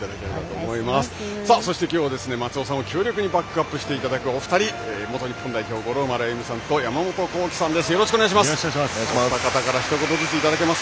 今日は松尾さんをバックアップしていただくお二人、元日本代表五郎丸歩さんと山本幸輝さんです。